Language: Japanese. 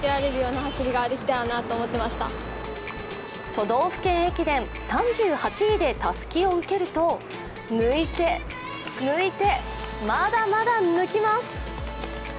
都道府県駅伝３８位でたすきを受けると抜いて、抜いて、まだまだ抜きます。